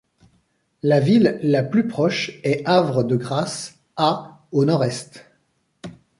La ville la plus proche est Havre de Grace à au nord-est.